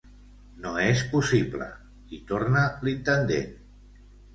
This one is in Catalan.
No és possible —hi torna l'intendent—.